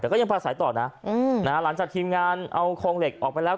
แต่ก็ยังประสัยต่อนะหลังจากทีมงานเอาโครงเหล็กออกไปแล้ว